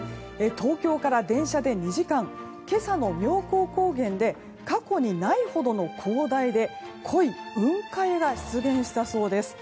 東京から電車で２時間今朝の妙高高原で過去にないほどの広大で濃い雲海が出現したそうです。